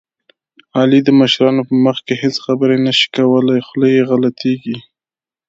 علي د مشرانو په مخ کې هېڅ خبرې نه شي کولی، خوله یې غلطېږي.